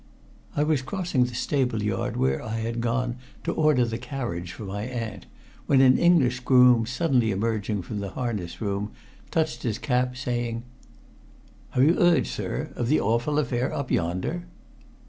I was crossing the stable yard where I had gone to order the carriage for my aunt, when an English groom, suddenly emerging from the harness room, touched his cap, saying "Have you 'eard, sir, of the awful affair up yonder?"